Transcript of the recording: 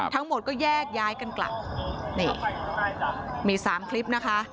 ทั้งหมดก็แยกย้ายกันกลับนี่มีสามคลิปนะคะ